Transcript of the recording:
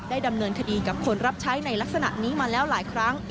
ดำเนินคดีกับคนรับใช้ในลักษณะนี้มาแล้วหลายครั้ง